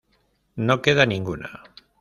No queda ninguna.